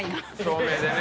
照明でね。